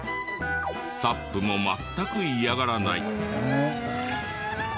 サップも全く嫌がらない。